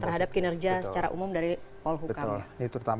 terhadap kinerja secara umum dari polhukam ya